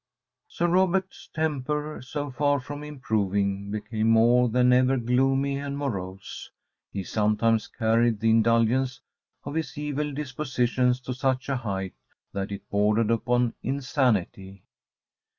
Sir Robert's temper, so far from improving, became more than ever gloomy and morose. He sometimes carried the indulgence of his evil dispositions to such a height that it bordered upon insanity.